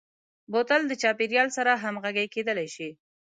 بوتل د چاپیریال سره همغږي کېدلای شي.